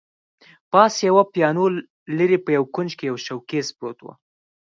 پاس یوه پیانو، لیري په یوه کونج کي یو شوکېز پروت وو.